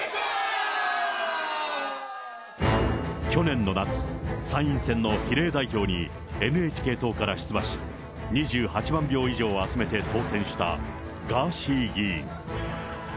去年の夏、参院選の比例代表にＮＨＫ党から出馬し、２８万票以上を集めて当選した、ガーシー議員。